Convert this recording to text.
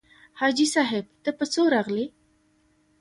حاجي صاحب ته په څو راغلې.